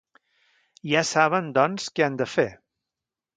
Ja saben, doncs, què han de fer.